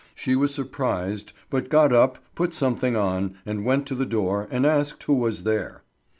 She was surprised, but got up, put something on, and went to the door, and asked who was there.